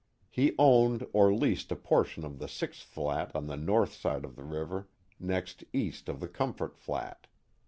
He owned or leased a portion of the sixth flat on the north side of the river next east of the Comfort Flat.